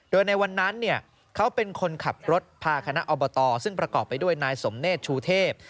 โดยในวันนั้นเขาเป็นคนขับรถพาคณะอบตซึ่งประกอบไปด้วยนายสมเนธชูเทพ